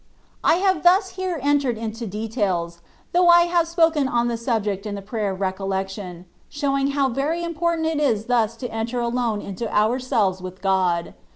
ft I HAVE thus here entered into details (though I have spoken on the subject in the Prayer of Recollection,) showing how very important it is thus to enter alone into ourselves with God.